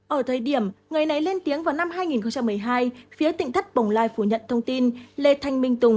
ở thời điểm người này lên tiếng vào năm hai nghìn một mươi hai phía tỉnh thất bồng lai phủ nhận thông tin lê thanh minh tùng